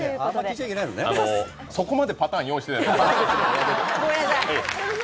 そこまでパターン用意してないんで。